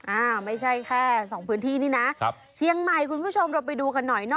อ้าวไม่ใช่แค่สองพื้นที่นี่นะครับเชียงใหม่คุณผู้ชมเราไปดูกันหน่อยเนอ